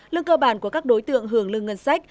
lương cơ bản của các đối tượng hưởng lương ngân sách